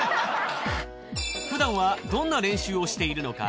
普段はどんな練習をしているのか？